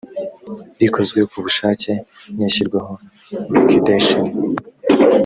rikozwe ku bushake n ishyirwaho liquidation